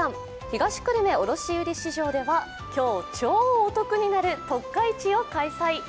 東久留米卸売市場では今日、超お得になる特価市を開催。